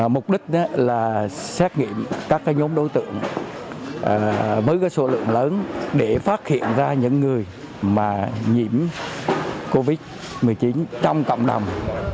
mục đích là xét nghiệm các nhóm đối tượng với số lượng lớn để phát hiện ra những người nhiễm covid một mươi chín trong cộng đồng